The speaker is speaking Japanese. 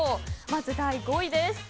まず、第５位です。